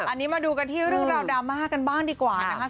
อันนี้มาดูกันที่ดราม่ากันบ้างดีกว่านะครับ